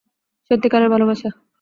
সত্যি কারের ভালোবাসা।